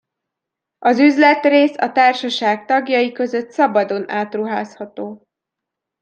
Az üzletrész a társaság tagjai között szabadon átruházható.